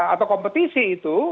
atau kompetisi itu